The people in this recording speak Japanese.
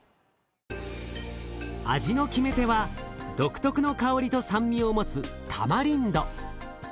味の決め手は独特の香りと酸味を持つタマリンド。